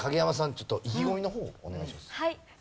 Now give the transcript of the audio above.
ちょっと意気込みの方をお願いします。